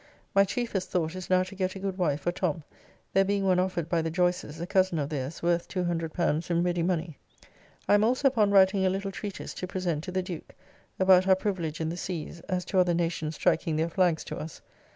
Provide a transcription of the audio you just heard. My chiefest thought is now to get a good wife for Tom, there being one offered by the Joyces, a cozen of theirs, worth L200 in ready money. I am also upon writing a little treatise to present to the Duke, about our privilege in the seas, as to other nations striking their flags to us.